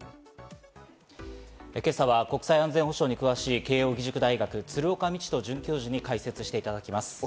今朝は国際安全保障に詳しい慶應義塾大学、鶴岡路人准教授に解説していただきます。